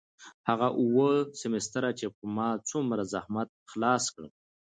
هغه اووه سمستره چې ما په څومره زحمت خلاص کړل.